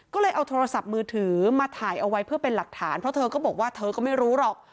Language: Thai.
ก็เลยเอาโทรศัพท์มือถือมาถ่ายเอาไว้เพื่อเป็นหลักฐานเพราะเธอก็บอกว่าเธอก็ไม่รู้หรอก